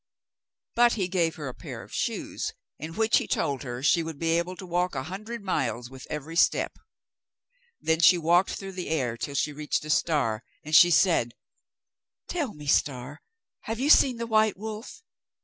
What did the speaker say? But he gave her a pair of shoes, in which, he told her, she would be able to walk a hundred miles with every step. Then she walked through the air till she reached a star, and she said: 'Tell me, star, have you seen the white wolf?